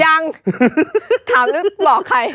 ยังถามหรือบอกใคร